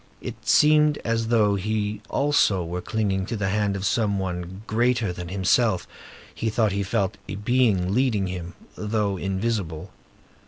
It seemed as though he also were clinging to the hand of some one greater than himself; he thought he felt a being leading him, though invisible.